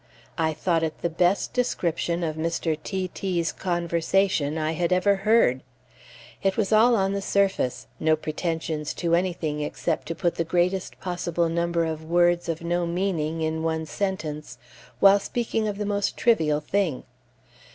I thought it the best description of Mr. T t's conversation I had ever heard. It was all on the surface, no pretensions to anything except to put the greatest possible number of words of no meaning in one sentence, while speaking of the most trivial thing.